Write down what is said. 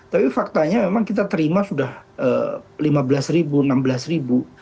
tapi faktanya memang kita terima sudah rp lima belas rp enam belas